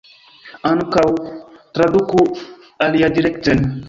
Ankaŭ traduku aliadirekten.